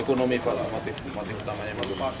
ekonomi motif utamanya